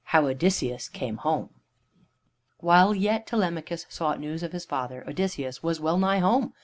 II HOW ODYSSEUS CAME HOME While yet Telemachus sought news of his father, Odysseus was well nigh home.